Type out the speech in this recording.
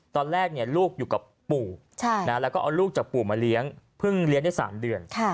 ตอนแรกลูกอยู่กับปู่แล้วก็เอาลูกจากปู่มาเลี้ยงเพิ่งเลี้ยงได้๓เดือน